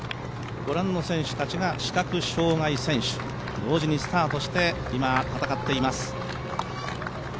ご覧の選手たちが視覚障がい者選手、同時にスタートして、今、戦っています。